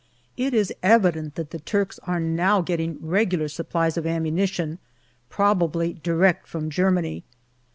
It is evident that the Turks are now getting regular supplies of ammunition, probably direct from Germany.